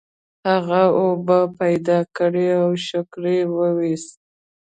هغه اوبه پیدا کړې او شکر یې وویست.